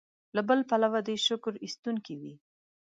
له بل پلوه دې شکر ایستونکی وي.